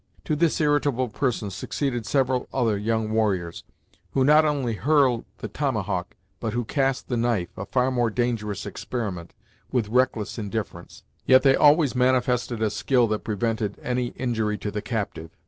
To this irritable person succeeded several other young warriors, who not only hurled the tomahawk, but who cast the knife, a far more dangerous experiment, with reckless indifference; yet they always manifested a skill that prevented any injury to the captive.